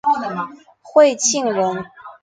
讳庆仁。